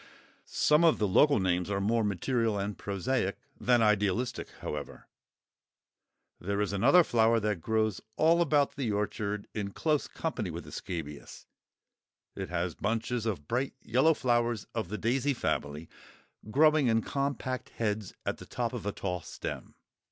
Some of the local names are more material and prosaic than idealistic, however. There is another flower that grows all about the orchard, in close company with the scabious; it has bunches of bright yellow flowers of the daisy family, growing in compact heads at the top of a tall stem.